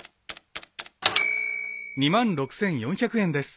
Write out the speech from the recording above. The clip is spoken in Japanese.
２６，４００円です。